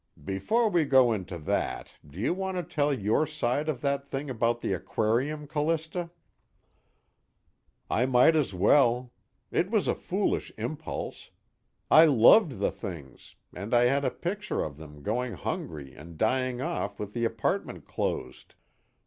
"Before we go into that, do you want to tell your side of that thing about the aquarium, Callista?" "I might as well. It was a foolish impulse. I loved the things, and I had a picture of them going hungry and dying off with the apartment closed.